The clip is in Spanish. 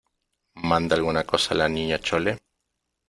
¿ manda alguna cosa la Niña Chole ?